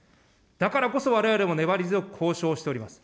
だからこそわれわれも粘り強く交渉をしております。